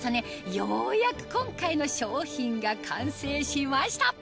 ようやく今回の商品が完成しました！